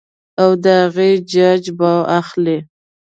او د هغې جاج به اخلي -